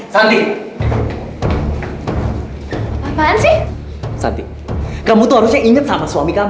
santi kamu tuh harusnya inget sama suami kamu